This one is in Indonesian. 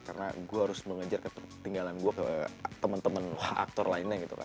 karena gue harus mengejar ketinggalan gue ke temen temen aktor lainnya gitu kan